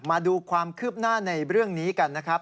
มาดูความคืบหน้าในเรื่องนี้กันนะครับ